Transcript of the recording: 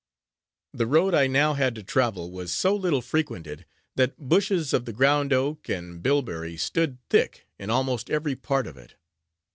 The road I now had to travel, was so little frequented, that bushes of the ground oak and bilberry stood thick in almost every part of it.